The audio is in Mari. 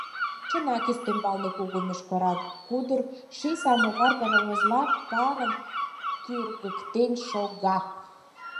Чынак, ӱстембалне кугу мӱшкыран кудыр ший самовар паровозла парым тӱргыктен шога.